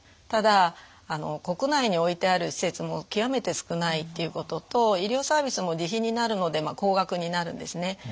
ただ国内に置いてある施設も極めて少ないっていうことと医療サービスも自費になるので高額になるんですね。